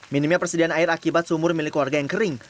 minimnya persediaan air akibat sumur milik warga yang kering